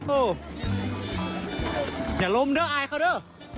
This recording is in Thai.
โอ้โหอย่าล้มเด้ออายเขาเด้อ